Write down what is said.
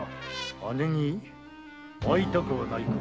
姉に会いたくはないか。